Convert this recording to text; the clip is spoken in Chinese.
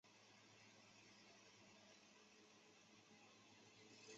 宁木边。